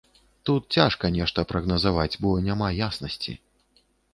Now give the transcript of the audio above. Тут цяжка нешта прагназаваць, бо няма яснасці.